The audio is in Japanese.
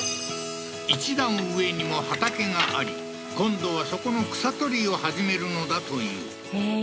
一段上にも畑があり今度はそこの草取りを始めるのだというええー